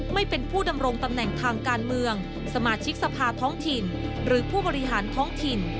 ไม่เป็นผู้ดำรงตำแหน่งทางการเมืองสมาชิกสภาท้องถิ่นหรือผู้บริหารท้องถิ่น